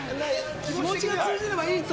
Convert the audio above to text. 気持ちが通じればいいと？